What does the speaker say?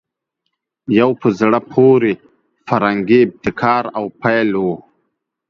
یو په زړه پورې فرهنګي ابتکار او پیل وو